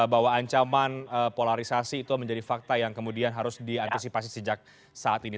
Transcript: bahwa ancaman polarisasi itu menjadi fakta yang kemudian harus diantisipasi sejak saat ini